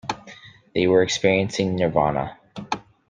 They were experiencing Nirvana.